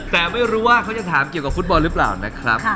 แต่ไม่รู้ว่าเขาจะถามเกี่ยวกับฟุตบอลหรือเปล่านะครับ